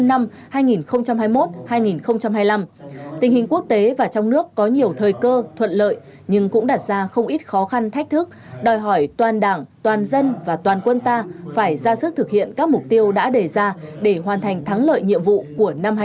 năm hai nghìn hai mươi một hai nghìn hai mươi năm tình hình quốc tế và trong nước có nhiều thời cơ thuận lợi nhưng cũng đặt ra không ít khó khăn thách thức đòi hỏi toàn đảng toàn dân và toàn quân ta phải ra sức thực hiện các mục tiêu đã đề ra để hoàn thành thắng lợi nhiệm vụ của năm hai nghìn hai mươi